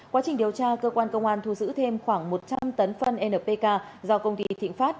quá trình điều tra cơ quan công an thu giữ thêm khoảng một trăm linh tấn phân npk do công ty thịnh phát